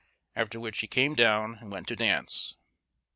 after which he came down and went to dance.